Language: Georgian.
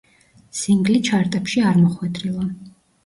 სინგლი ჩარტებში არ მოხვედრილა.